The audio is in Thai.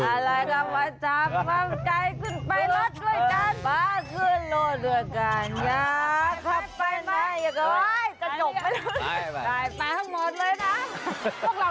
อะไรครับว่าจับความใกล้ขึ้นไปรักด้วยกัน